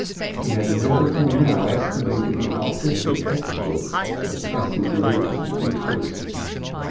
He had never till now estimated the artistic excellence of Tess's limbs and features.